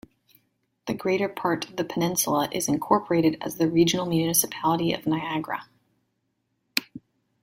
The greater part of the peninsula is incorporated as the Regional Municipality of Niagara.